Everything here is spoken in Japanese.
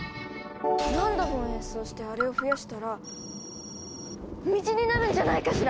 何度も演奏してあれを増やしたら道になるんじゃないかしら！